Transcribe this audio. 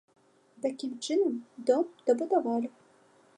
Такім чынам, дом дабудавалі.